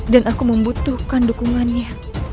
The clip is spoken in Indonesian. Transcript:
dan aku membutuhkan dukungannya